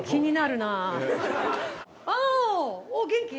おー元気？